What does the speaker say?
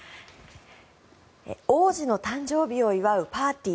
王子の誕生日を祝うパーティー